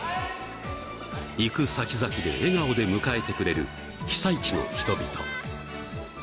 行くさきざきで笑顔で迎えてくれる、被災地の人々。